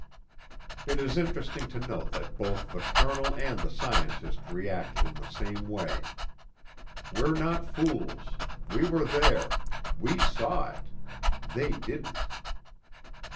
It is interesting to note that both the colonel and the scientist reacted in the same way. We're not fools we were there we saw it they didn't.